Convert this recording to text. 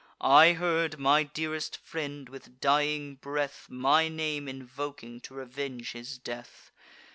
I heard my dearest friend, with dying breath, My name invoking to revenge his death.